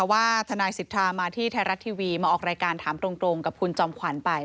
ว่ามันเกิดอะไรขึ้นอะไรยังไงนะครับ